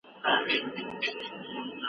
اګر چه رسم ادب نیست خود پسندیدن